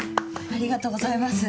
ありがとうございます。